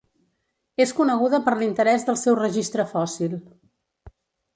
És coneguda per l'interès del seu registre fòssil.